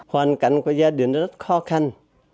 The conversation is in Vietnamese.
hoàn cảnh của gia đình rất khó khăn